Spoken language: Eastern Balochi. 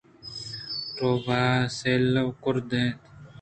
روباہ سئیل ءُ گرد ءَ اَت